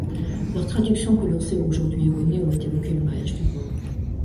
Leur traduction, que l'on sait aujourd'hui erronée, aurait évoqué le mariage du roi.